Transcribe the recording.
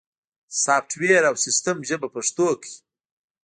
سافت ویر او سیستم ژبه پښتو کړئ